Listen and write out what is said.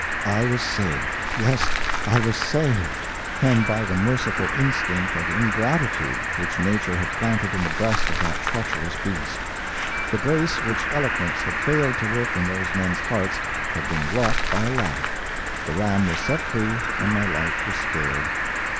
I was saved. Yes, I was saved, and by the merciful instinct of ingratitude which nature had planted in the breast of that treacherous beast. The grace which eloquence had failed to work in those men's hearts, had been wrought by a laugh. The ram was set free and my life was spared.